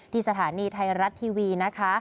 สถานีไทยรัฐทีวีนะคะ